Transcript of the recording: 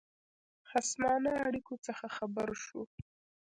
خصمانه اړېکو څخه خبر شو.